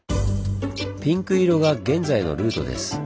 ピンク色が現在のルートです。